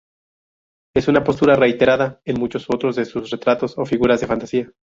Es una postura reiterada en muchos otros de sus retratos o figuras de fantasía.